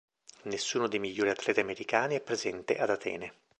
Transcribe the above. Nessuno dei migliori atleti americani è presente ad Atene.